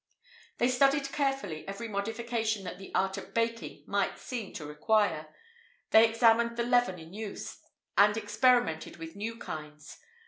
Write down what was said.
[IV 57] They studied carefully every modification that the art of baking might seem to require: they examined the leaven in use, and experimented with new kinds.